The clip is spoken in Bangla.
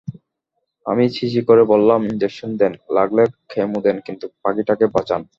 আমি চিঁচিঁ করে বললাম, ইনজেকশন দেন, লাগলে কেমো দেন, কিন্তু পাখিটাকে বাঁচান।